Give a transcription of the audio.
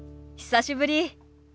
久しぶり。